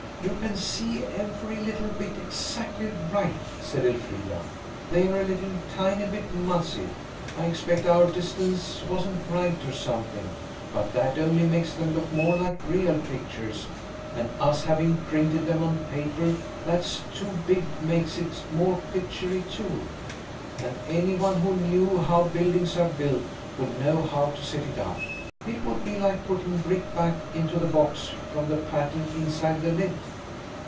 "You can see every little bit exactly right," said Elfrida. "They're a little tiny bit muzzy. I expect our distance wasn't right or something, but that only makes them look more like real pictures, and us having printed them on paper that's too big makes it more pictury too. And any one who knew how buildings are built would know how to set it up. It would be like putting bricks back into the box from the pattern inside the lid."